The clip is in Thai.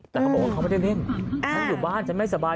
แต่เขาบอกว่าเขาไม่ได้เล่นฉันอยู่บ้านฉันไม่สบาย